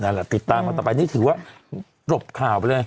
นั่นแหละติดตามเขาต่อไปนี่ถือว่ากรบข่าวเลย